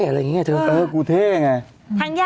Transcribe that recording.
โห้ยสงสารอ่ะ